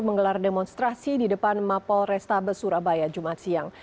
menggelar demonstrasi di depan mapol restabes surabaya jumat siang